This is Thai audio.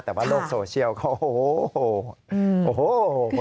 แต่ว่าโลกโซเชียลเขาโอ้โห